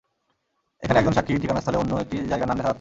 এখানে একজন সাক্ষীর ঠিকানার স্থলে অন্য একটি জায়গার নাম দেখা যাচ্ছে।